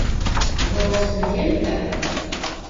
Vo vustudênta?